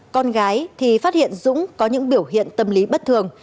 con gái thì phát hiện dũng có những biểu hiện tâm lý bất thường